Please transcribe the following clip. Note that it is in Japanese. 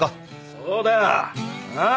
そうだ！ああ？